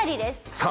さあ